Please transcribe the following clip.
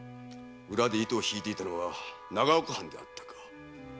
裏で糸を引いていたのは長岡藩であったか。